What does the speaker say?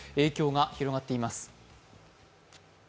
影響が広がっています。